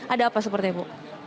ada apa seperti bu